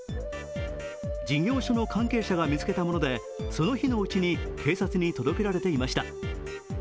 事業所の関係者が見つけたものでその日のうちに警察に届けられていました。